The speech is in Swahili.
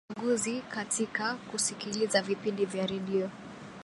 kuna uchaguzi katika kusikiliza vipindi vya redio